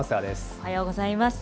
おはようございます。